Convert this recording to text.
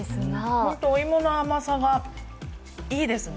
ホントお芋の甘さがいいですね。